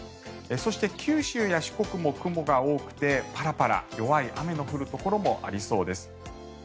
そして、九州や四国も雲が多くてパラパラ弱い雨の降るところもありそうです。